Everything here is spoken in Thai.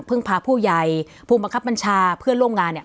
พาผู้ใหญ่ผู้บังคับบัญชาเพื่อนร่วมงานเนี่ย